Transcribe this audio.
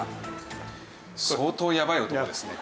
相当やばい男ですね。